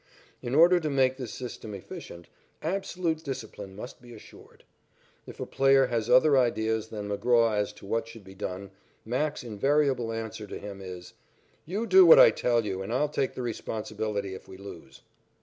In order to make this system efficient, absolute discipline must be assured. If a player has other ideas than McGraw as to what should be done, "Mac's" invariable answer to him is: "You do what I tell you, and I'll take the responsibility if we lose."